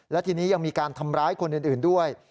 และทีนี้ยังมีการทำร้ายคนอื่นด้วย